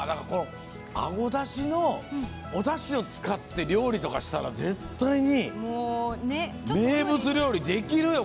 あごだしのおだしを使って料理とかしたら絶対に名物料理できるよ！